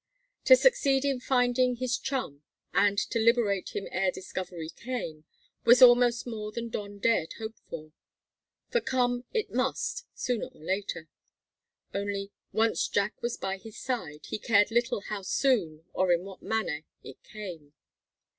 To succeed in finding his chum, and to liberate him ere discovery came, was almost more than Don dared hope for. For come it must, sooner or later. Only, once Jack was by his side, he cared little how soon or in what manner it came.